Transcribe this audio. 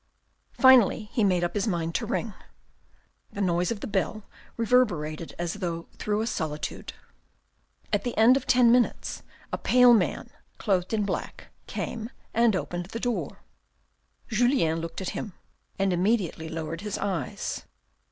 Finally he made up his mind to ring. The noise of the bell reverberated as though through a solitude. At the end of ten minutes a pale man, clothed in black, came and opened the door. Julien looked at him, and immediately lowered his eyes.